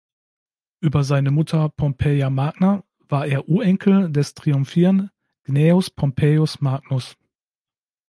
Über seine Mutter Pompeia Magna war er Urenkel des Triumvirn Gnaeus Pompeius Magnus.